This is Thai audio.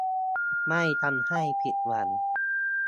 ไม่ทำให้ผิดหวัง